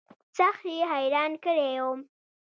سخت يې حيران کړى وم.